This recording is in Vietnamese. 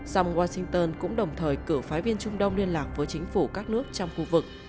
song washington cũng đồng thời cử phái viên trung đông liên lạc với chính phủ các nước trong khu vực